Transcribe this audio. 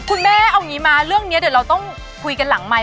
คุณแม่เอาอย่างนี้มาเรื่องนี้เดี๋ยวเราต้องคุยกันหลังไมค